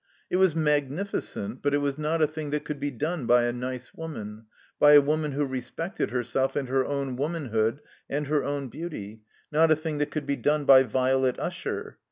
It was magnificent, but it was not a thing that could be done by a nice woman, by a woman who respected herself and her own womanhood and her own beauty; not a thing that could be done by Violet Usher.